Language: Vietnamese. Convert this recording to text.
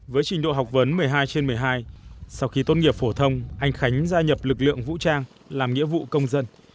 với trình độ học vấn một mươi hai trên một mươi hai sau khi tốt nghiệp phổ thông anh khánh gia nhập lực lượng vũ trang làm nghĩa vụ công dân